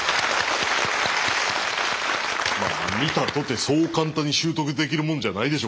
見たとてそう簡単に習得できるもんじゃないでしょ